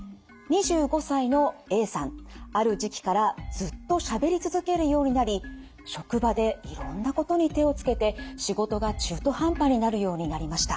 ２５歳のＡさんある時期からずっとしゃべり続けるようになり職場でいろんなことに手をつけて仕事が中途半端になるようになりました。